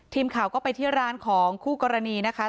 ทีมข่าวก็ไปที่ร้านของคู่กรณีนะคะ